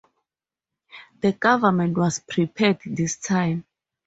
The government was prepared this time.